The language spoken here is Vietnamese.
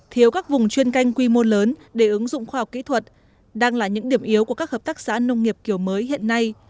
thiếu các vùng chuyên canh quy mô lớn để ứng dụng khoa học kỹ thuật đang là những điểm yếu của các hợp tác xã nông nghiệp kiểu mới hiện nay